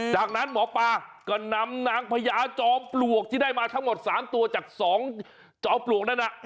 จากนั้นหมอปาก็นำนางพยาจอบปลวกที่ได้มาทั้งหมดมาสองตัวสองจะจอบปลวกนั้น